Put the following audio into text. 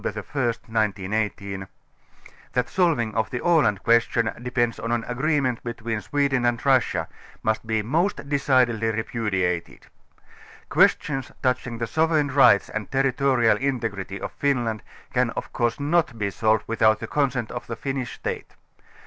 1st 1918) that a solving of the Aland question dei>ends on an agreement between Sweden and Russia, must be most decidedly repudiated. Questions touching the sovereign rights and territorial integrity of Finland can of course not be solved without the consent of the Finnish . State.